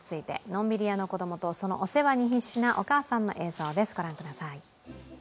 のんびり屋の子供と、そのお世話に必死なお母さんの映像です。